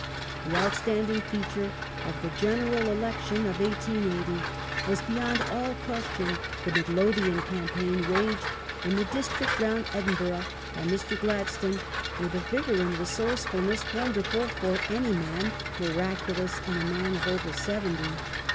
The outstanding feature of the General Election of 1880^ was beyond all question the Midlothian campaign waged, in the district round Edinburgh, by Mr. Gladstone with a vigour and resourcefulness wonderful for any man, miraculous in a man of over seventy.